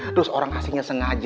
terus orang asingnya sengaja